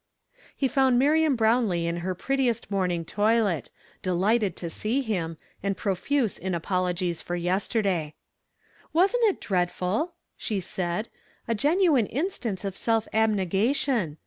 He found Miriam Brownlee in her prettiest morning toilet, delighted to see him, and profuse in apologies for yesterday. "Wasn't it dreadful?" she said; "a genuine instance of self abnegation.